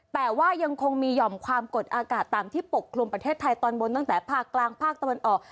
แต่ว่ายังคงมีหย่อมความกดอากาศต่ำที่ปกคลุมประเทศไทยตอนบนตั้งแต่ภาคกลางภาคตะวันออก